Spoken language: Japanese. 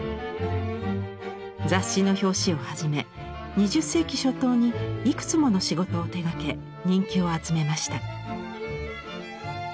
雑誌の表紙をはじめ２０世紀初頭にいくつもの仕事を手がけ人気を集めました。